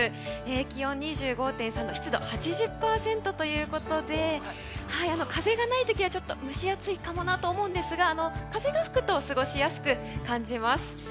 気温２５．３度湿度８０％ということで風がない時は蒸し暑いかもなと思うんですが風が吹くと過ごしやすく感じます。